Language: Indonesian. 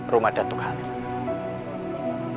rumah datuk halim